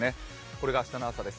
これが明日の朝です。